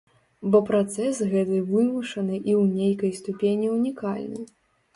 Бо працэс гэты вымушаны і ў нейкай ступені унікальны.